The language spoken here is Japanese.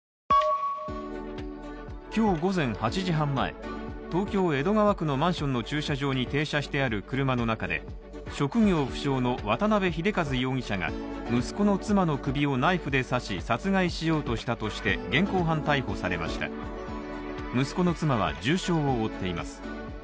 今日午前８時半前、東京・江戸川区のマンションの駐車場に停車してある車の中で職業不詳の渡辺秀一容疑者が息子の妻の首をナイフで刺し殺害しようとしたとして現行犯逮捕されました息子の妻は重傷を負っています。